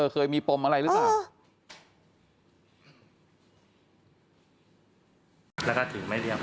เคยมีปมอะไรหรือเปล่า